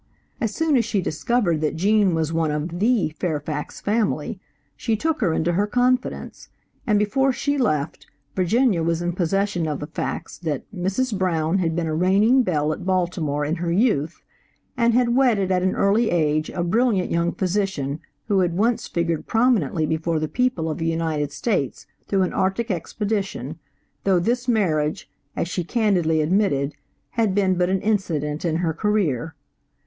As soon as she discovered that Gene was one of the Fairfax family, she took her into her confidence, and before she left, Virginia was in possession of the facts that Mrs. Brown had been a reigning belle at Baltimore in her youth, and had wedded at an early age a brilliant young physician who had once figured prominently before the people of the United States through an Arctic expedition, though this marriage, as she candidly admitted, had been but an incident in her career.